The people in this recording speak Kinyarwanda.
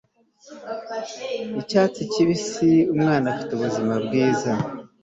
icyatsi kibisi umwana afite ubuzima bwiza